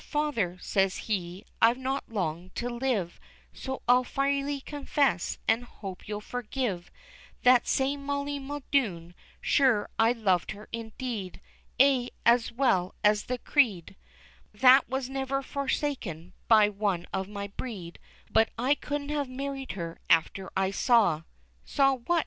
Father," says he, "I've not long to live, So I'll freely confess, and hope you'll forgive That same Molly Muldoon, sure I loved her indeed; Ay, as well, as the Creed That was never forsaken by one of my breed; But I couldn't have married her after I saw" "Saw what?"